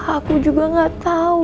aku juga gak tau